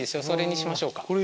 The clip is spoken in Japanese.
それにしましょうか。